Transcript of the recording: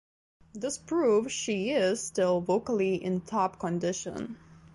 This proves she is still vocally in top condition.